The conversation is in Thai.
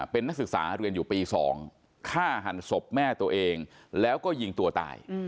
เป็นนักศึกษาเรียนอยู่ปี๒ฆ่าหันศพแม่ตัวเองแล้วก็ยิงตัวตาย